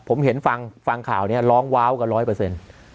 ผมเห็นฟังฟังข่าวนี้ร้องว้าวกับร้อยเปอร์เซ็นต์